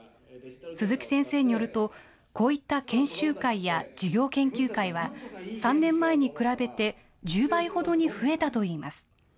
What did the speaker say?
鈴木先生によると、こういった研修会や授業研究会は、３年前に比べて、１０倍ほどに増えたといいます。